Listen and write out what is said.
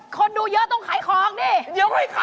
คนดูเยอะต้องขายของนี่ขาย